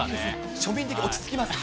庶民的、落ち着きますね。